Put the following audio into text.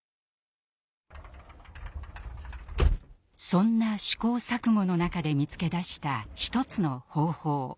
そんな試行錯誤の中で見つけ出したひとつの方法。